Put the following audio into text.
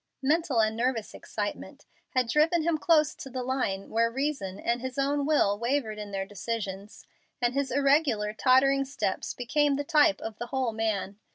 Mental and nervous excitement had driven him close to the line where reason and his own will wavered in their decisions, and his irregular, tottering steps became the type of the whole man.